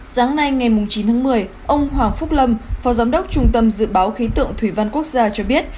sáng nay ngày chín tháng một mươi ông hoàng phúc lâm phó giám đốc trung tâm dự báo khí tượng thủy văn quốc gia cho biết